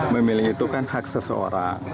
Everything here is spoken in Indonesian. memilih itu kan hak seseorang